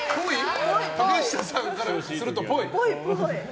竹下さんからすると、っぽい？